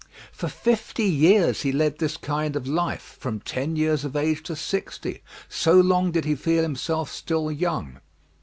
For fifty years he led this kind of life from ten years of age to sixty so long did he feel himself still young.